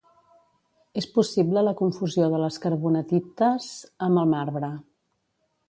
És possible la confusió de les carbonatites amb el marbre.